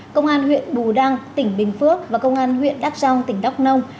công an huyện bù đăng tỉnh bình phước và công an huyện đắc trong tỉnh đóc nông